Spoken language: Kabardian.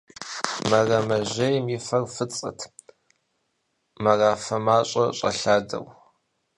Мэрэмэжьейм и фэр фӀыцӀэт, морафэ мащӀэ щӀэлъадэу.